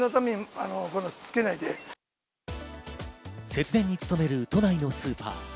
節電に努める都内のスーパー。